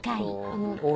あの。